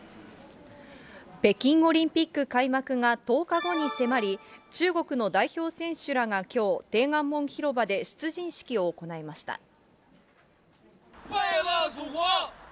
北京オリンピック開幕が１０日後に迫り、中国の代表選手らがきょう、天安門広場で出陣式を行いました。